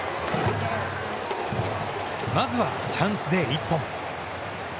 まずはチャンスで１本。